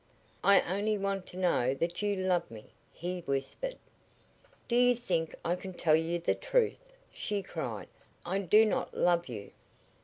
"I only want to know that you love me," he whispered. "Do you think I can tell you the truth?" she cried. "I do not love you!"